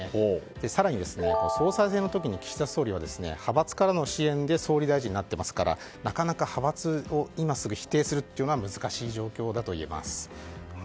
更に総裁選の時に岸田総理は派閥からの支援で総理になっていますからなかなか派閥を今すぐ否定するのは難しい状況だといえます。